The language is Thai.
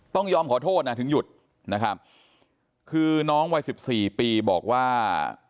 ต้องยอมขอโทษนะถึงหยุดนะครับคือน้องวัยสิบสี่ปีบอกว่า